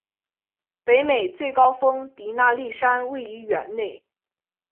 北美最高峰迪纳利山位于园内。